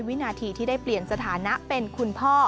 วินาทีที่ได้เปลี่ยนสถานะเป็นคุณพ่อ